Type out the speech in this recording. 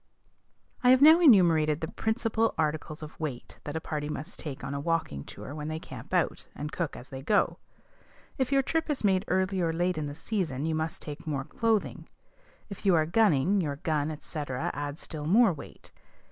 I have now enumerated the principal articles of weight that a party must take on a walking tour when they camp out, and cook as they go. If the trip is made early or late in the season, you must take more clothing. If you are gunning, your gun, &c., add still more weight.